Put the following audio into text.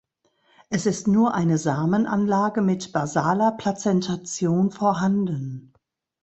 Es ist nur eine Samenanlage mit basaler Plazentation vorhanden.